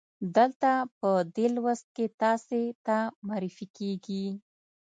دلته په دې لوست کې تاسې ته معرفي کیږي.